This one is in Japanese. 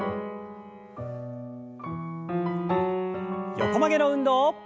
横曲げの運動。